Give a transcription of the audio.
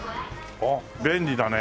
あっ便利だね。